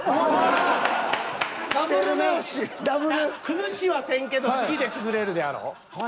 崩しはせんけど次で崩れるであろう。